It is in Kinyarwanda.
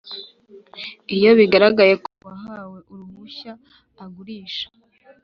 Iyo bigaragaye ko uwahawe uruhushya agurisha